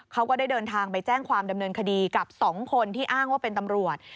ก็ได้เดินทางไปแจ้งความดำเนินคดีกับ๒คนที่อ้างว่าเป็นตำรวจ